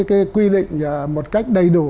cái quy định một cách đầy đủ